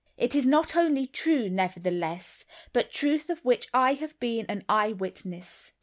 It is not only true, nevertheless, but truth of which I have been an eyewitness.